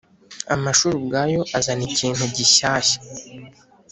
amashuri ubwayo azana ikintu gishyashya.